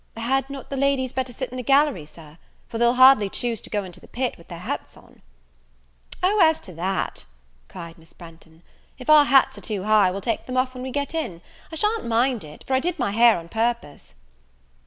"Had not the ladies better sit in the gallery, Sir; for they'll hardly choose to go into the pit with their hats on?" "O, as to that," cried Miss Branghton, "if our hats are too high we'll take them off when we get in. I sha'n't mind, it, for I did my hair on purpose."